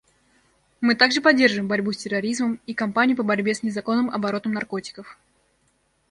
Мы также поддерживаем борьбу с терроризмом и кампанию по борьбе с незаконным оборотом наркотиков.